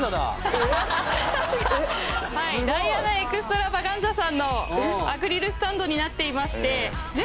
さすがダイアナ・エクストラバガンザさんのアクリルスタンドになっていましてとなっています